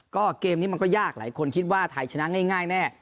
ก็เกมนี้มันก็ยากหลายคนคิดว่าไทยชนะง่ายแน่